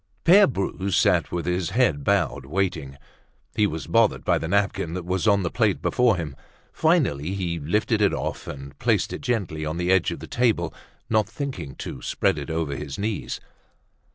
Pere Bru sat with his head bowed, waiting. He was bothered by the napkin that was on the plate before him. Finally he lifted it off and placed it gently on the edge of the table, not thinking to spread it over his knees.